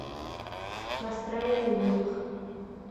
Настроение юҡ.